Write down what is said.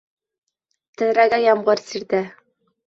Тәҙрәгә ямғыр сиртә.